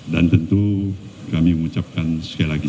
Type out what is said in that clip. dan tentu kami mengucapkan sekali lagi